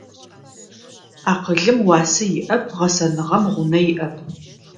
Акъылым уасэ иӏэп, гъэсэныгъэм гъунэ иӏэп.